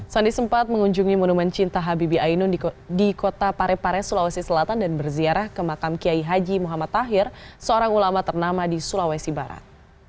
sandi sempat mengunjungi monumen cinta habibi ainun di kota parepare sulawesi selatan dan berziarah ke makam kiai haji muhammad tahir seorang ulama ternama di sulawesi barat